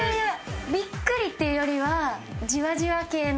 ビックリっていうよりはじわじわ系の。